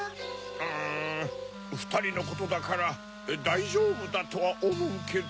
うんふたりのことだからだいじょうぶだとはおもうけど。